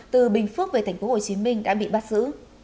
từ bình phước về tp hcm đã bị bắt giữ